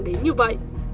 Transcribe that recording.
đến như vậy